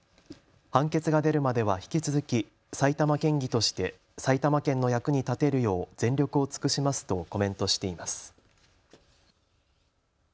判決が出るまでは引き続き埼玉県議として埼玉県の役に立てるよう全力を尽くしますとコメントしています。